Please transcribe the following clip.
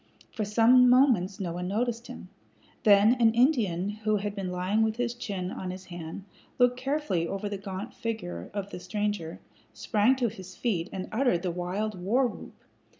For some moments no one noticed him. Then an Indian who had been lying with his chin on his hand, looking carefully over the gaunt figure of the stranger, sprang to his feet, and uttered the wild war whoop.